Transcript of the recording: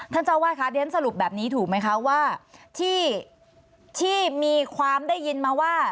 เจ้าวาดคะเรียนสรุปแบบนี้ถูกไหมคะว่าที่มีความได้ยินมาว่า